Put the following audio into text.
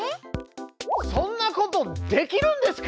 そんなことできるんですか？